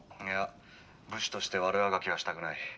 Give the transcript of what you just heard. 「いや武士として悪あがきはしたくない。